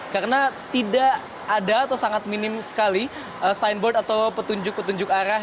karena tidak ada atau sangat minim sekali signboard atau petunjuk petunjuk arah